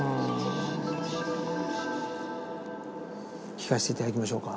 聴かせていただきましょうか。